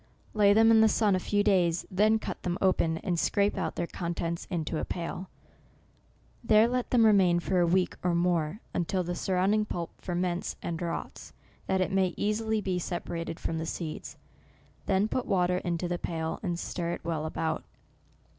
Lay them in the sun a few days, then cut them open, and scrape out their contents into a pail ; there let them re main for a week or more, until the surround ing pulp ferments and rots, that it may easily be Separated from the seeds ; then put water into the pail, and stir it well about.